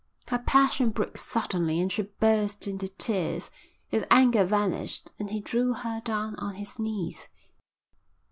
Her passion broke suddenly and she burst into tears. His anger vanished and he drew her down on his knees.